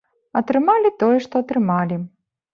Атрымалі тое, што атрымалі.